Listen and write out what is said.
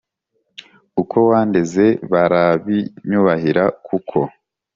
uko wandeze barabinyubahira kuko